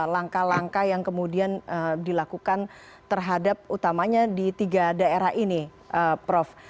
langkah langkah yang kemudian dilakukan terhadap utamanya di tiga daerah ini prof